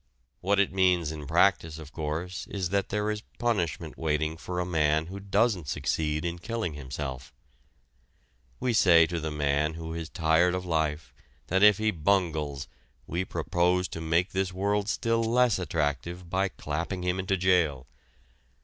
What it means in practice, of course, is that there is punishment waiting for a man who doesn't succeed in killing himself. We say to the man who is tired of life that if he bungles we propose to make this world still less attractive by clapping him into jail.